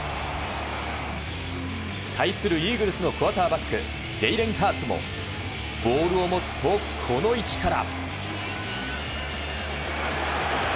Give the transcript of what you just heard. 対する、イーグルスのクオーターバックジェイレン・ハーツもボールを持つと、この位置から。